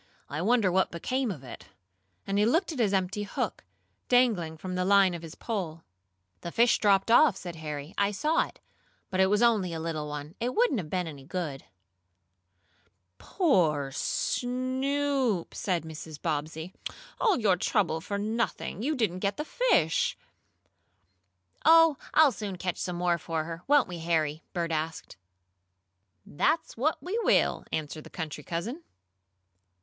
"I wonder what became of it?" and he looked at his empty hook, dangling from the line of his pole. "The fish dropped off," said Harry. "I saw it. But it was only a little one. It wouldn't have been any good." "Poor Snoop!" said Mrs. Bobbsey. "All your trouble for nothing! You didn't get the fish." "Oh, I'll soon catch some more for her, won't we, Harry?" Bert asked. "That's what we will," answered the country cousin.